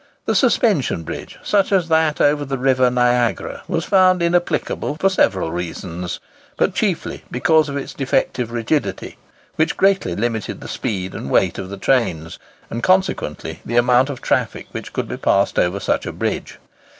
The suspension bridge, such as that over the river Niagara, was found inapplicable for several reasons, but chiefly because of its defective rigidity, which greatly limited the speed and weight of the trains, and consequently the amount of traffic which could be passed over such a bridge.